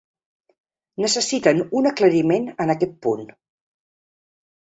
Necessiten un aclariment en aquest punt.